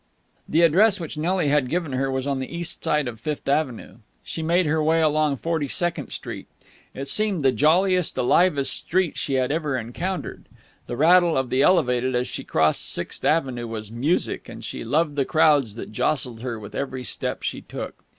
The address which Nelly had given her was on the east side of Fifth Avenue. She made her way along Forty second Street. It seemed the jolliest, alivest street she had ever encountered. The rattle of the Elevated as she crossed Sixth Avenue was music, and she loved the crowds that jostled her with every step she took.